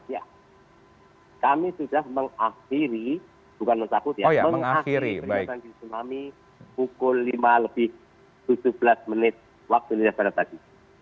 iya kami sudah mengakhiri bukan menakut ya mengakhiri peringatan dini tsunami pukul lima lebih tujuh belas menit waktu di niafara tadi